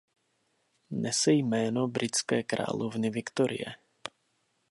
Nese jméno britské královny Viktorie.